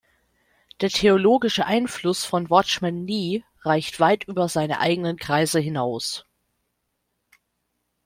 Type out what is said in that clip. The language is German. Der theologische Einfluss von Watchman Nee reicht weit über seine eigenen Kreise hinaus.